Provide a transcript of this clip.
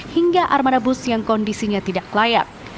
hingga armada bus yang kondisinya tidak layak